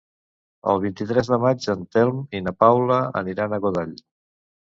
El vint-i-tres de maig en Telm i na Paula aniran a Godall.